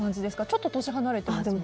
ちょっと年離れてますよね。